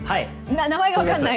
名前が分からない！